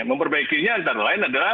memperbaikinya antara lain adalah